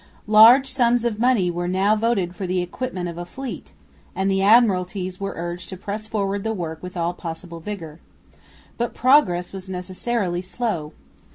Large sums of money were now voted for the equipment of a fleet; and the Admiralties were urged to press forward the work with all possible vigour. But progress was necessarily slow.